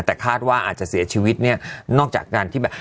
แต่คาดว่าอาจจะเสียชีวิตเนี่ยนอกจากการที่แบบ